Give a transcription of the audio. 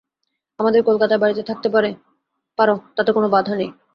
আমাদের কলকাতার বাড়িতে থাকতে পার, তাতে কোনো বাধা নেই।